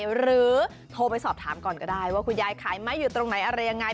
หรือโทรไปสอบถามก่อนก็ได้ว่าคุณยายขายไหมอยู่ตรงไหนอะไรยังไง